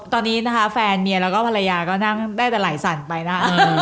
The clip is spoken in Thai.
ตอนนี้แฟนเมียแล้วก็ภรรยาก็ได้แต่ไหล่สั่นไปนะ